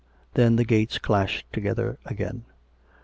Then the gates clashed together again.